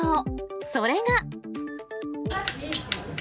それが。